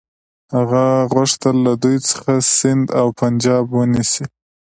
هغه غوښتل له هغوی څخه سند او پنجاب ونیسي.